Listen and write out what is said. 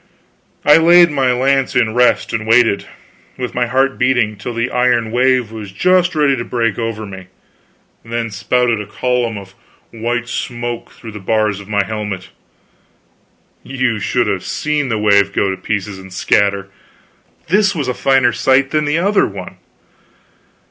I laid my lance in rest and waited, with my heart beating, till the iron wave was just ready to break over me, then spouted a column of white smoke through the bars of my helmet. You should have seen the wave go to pieces and scatter! This was a finer sight than the other one.